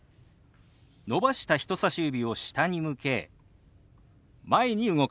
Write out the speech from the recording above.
伸ばした人さし指を下に向け前に動かします。